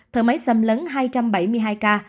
thở máy xâm lấn hai trăm bảy mươi hai ca